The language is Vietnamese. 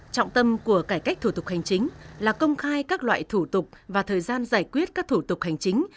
trọng tâm của cải cách thủ tục hành chính là công khai các loại thủ tục và thời gian giải quyết các thủ tục hành chính